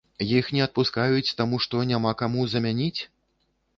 Іх не адпускаюць, таму што няма каму замяніць?